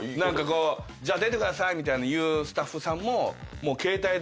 「出てください」みたいの言うスタッフさんも。